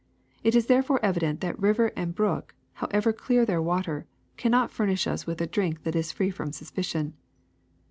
It is therefore evident that river and brook, how ever clear their water, cannot furnish us with a drink that is free from suspicion.